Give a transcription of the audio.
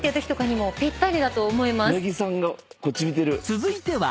［続いては］